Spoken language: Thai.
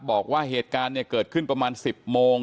บอกว่าเหตุการณ์เกิดขึ้นประมาณ๑๐โมง